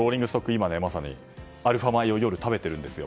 今、まさにアルファ米を夜、食べてるんですよ。